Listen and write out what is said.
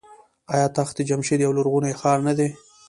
آیا تخت جمشید یو لرغونی ښار نه دی؟